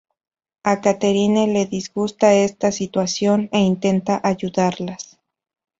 A Katherine le disgusta esta situación e intenta ayudarlas.